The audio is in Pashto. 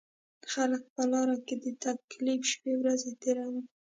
خلک په لارو کې د تکلیف شپېورځې تېروي.